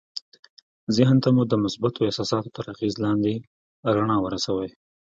ذهن ته مو د مثبتو احساساتو تر اغېز لاندې رڼا ورسوئ